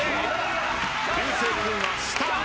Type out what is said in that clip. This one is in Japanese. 流星君は下。